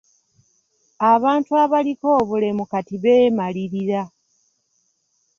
Abantu abaliko obulemu kati beemalirira.